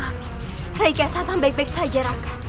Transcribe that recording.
ya allah rakyat santang baik baik saja raka